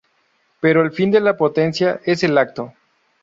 Pero el fin de la potencia es el acto.